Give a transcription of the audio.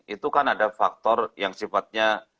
itu kan ada faktor yang sifatnya